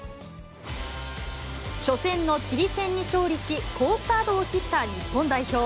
初戦のチリ戦に勝利し、好スタートを切った日本代表。